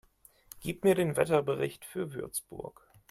Gib mir den Wetterbericht für Würzburg